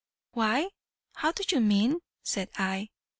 "'Why, how do you mean?' said I.